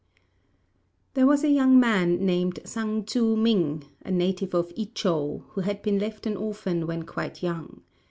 There was a young man named Sang Tzŭ ming, a native of I chou, who had been left an orphan when quite young.